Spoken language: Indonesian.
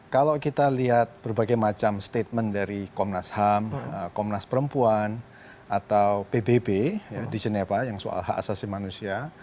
kalau kita lihat berbagai macam statement dari komnas ham komnas perempuan atau pbb di sineva yang soal hak asasi manusia